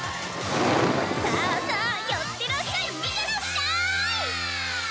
さあさあ寄ってらっしゃい見てらっしゃい！